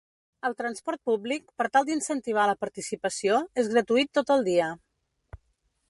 El transport públic, per tal d’incentivar la participació, és gratuït tot el dia.